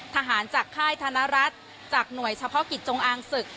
ทหารจากค่ายธนรัฐจากหน่วยเฉพาะกิจจงอางศึก